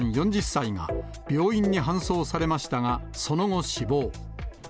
４０歳が病院に搬送されましたが、その後、死亡。